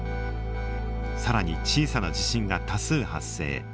更に小さな地震が多数発生。